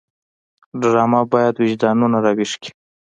ډرامه باید وجدانونه راویښ کړي